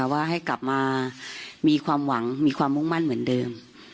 ว่าให้กลับมามีความหวังมีความมุ่งมั่นเหมือนเดิม